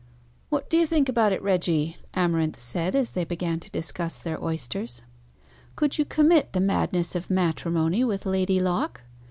"What do you think about it, Reggie?" Amarinth said, as they began to discuss their oysters. "Could you commit the madness of matrimony with Lady Locke?